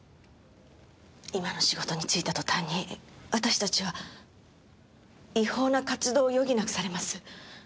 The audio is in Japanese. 今の仕事に就いた途端に私たちは違法な活動を余儀なくされます。